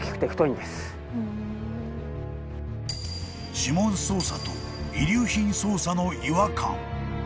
［指紋捜査と遺留品捜査の違和感］